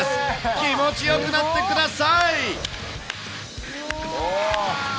気持ちよくなってください。